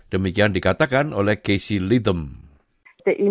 demikian dikatakan oleh casey latham